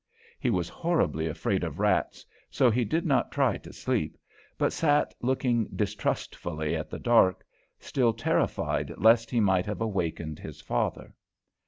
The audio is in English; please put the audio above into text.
He was horribly afraid of rats, so he did not try to sleep, but sat looking distrustfully at the dark, still terrified lest he might have awakened his father.